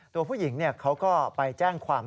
ตัวผู้หญิงเขาก็ไปแจ้งความ